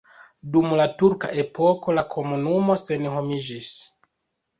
Dum la turka epoko la komunumo senhomiĝis.